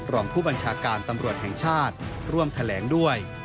รองผู้บัญชาการตำรวจแห่งชาติร่วมแถลงด้วย